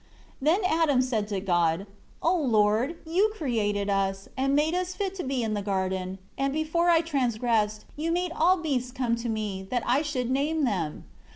3 Then Adam said to God, "O Lord, You created us, and made us fit to be in the garden; and before I transgressed, You made all beasts come to me, that I should name them.